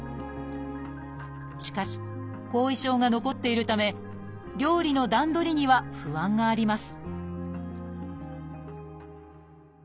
しかし後遺症が残っているため料理の段取りには不安があります